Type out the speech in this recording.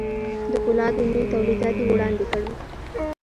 د پولادو نوي توليدات يې وړاندې کړل.